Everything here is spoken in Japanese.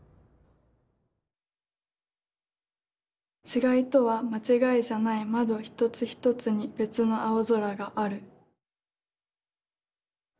「違いとは間違いじゃない窓ひとつひとつに別の青空がある」。